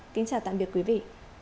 kính chào tạm biệt quý vị